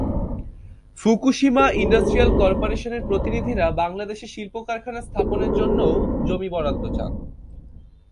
Fukushima industrial করপোরেশনের প্রতিনিধিরা বাংলাদেশে শিল্প-কারখানা স্থাপনের জন্যও জমি বরাদ্দ চান।